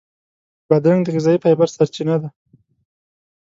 بادرنګ د غذایي فایبر سرچینه ده.